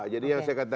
jadi itu krisis kedua